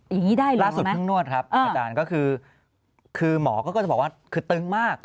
อย่างนี้ได้หรือเปล่าไหมอาจารย์ก็คือคือหมอก็จะบอกว่าคือตึงมาก